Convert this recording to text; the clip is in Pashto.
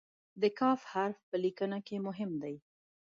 د "ک" حرف په لیکنه کې مهم دی.